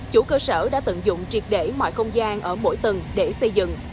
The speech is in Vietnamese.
chủ cơ sở đã tận dụng triệt để mọi không gian ở mỗi tầng để xây dựng